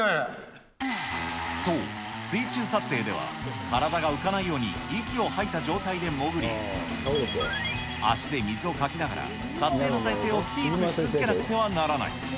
そう、水中撮影では、体が浮かないように息を吐いた状態で潜り、足で水をかきながら、撮影の体勢をキープし続けなくてはならない。